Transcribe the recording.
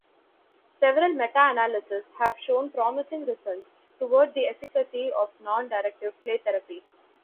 Several meta analyses have shown promising results toward the efficacy of non-directive play therapy.